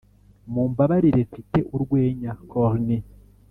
mumbabarire mfite urwenya corny.